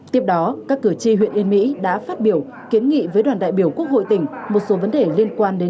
tiếp đó các cử tri huyện yên mỹ đã phát biểu kiến nghị với đoàn đại biểu quốc hội tỉnh một số vấn đề liên quan đến